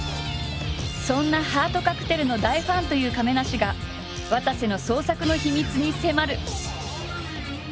そんな「ハートカクテル」の大ファンという亀梨がわたせの創作の秘密に迫る！